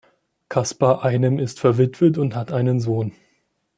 Caspar Einem ist verwitwet und hat einen Sohn.